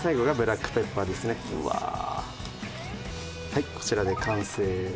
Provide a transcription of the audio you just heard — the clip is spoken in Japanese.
はいこちらで完成です。